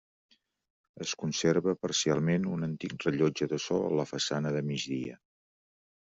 Es conserva parcialment un antic rellotge de sol a la façana de migdia.